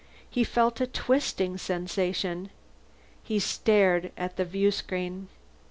He felt a twisting sensation. He stared at the viewscreen.